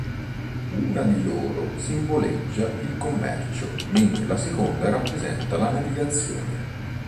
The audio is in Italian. Una di loro simboleggia il commercio, mentre la seconda rappresenta la navigazione.